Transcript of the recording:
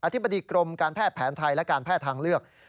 ธิบดีกรมการแพทย์แผนไทยและการแพทย์ทางเลือก